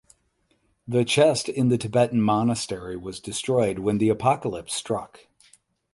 The chest in the Tibetan monastery was destroyed when the apocalypse struck.